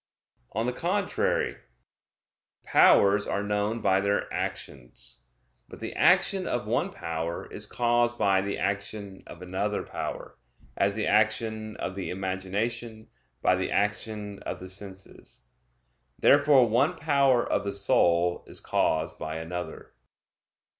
On the contrary, Powers are known by their actions. But the action of one power is caused by the action of another power, as the action of the imagination by the action of the senses. Therefore one power of the soul is caused by another.